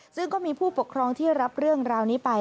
ซึ่งก็มีผู้ปกครองที่รับเรื่องราวนี้ไป